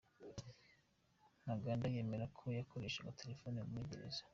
Ntaganda yemera ko yakoreshaga telefoni muri Gereza